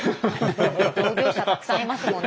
同業者たくさんいますもんね。